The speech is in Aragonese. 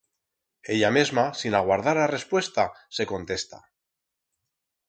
Ella mesma, sin aguardar a respuesta, se contesta.